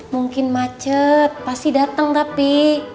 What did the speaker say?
mungkin macet pasti datang tapi